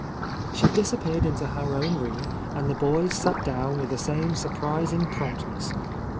She disappeared Into her own room, and the boys sat down with the same surprising prompt ness.